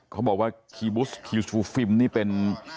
เขาบอกว่าคีย์บุสคิวชูฟิล์มนี่เป็น